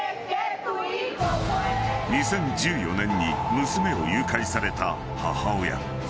［２０１４年に娘を誘拐された母親］